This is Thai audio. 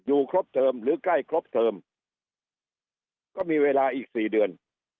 ครบเทอมหรือใกล้ครบเทิมก็มีเวลาอีกสี่เดือน